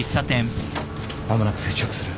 間もなく接触する。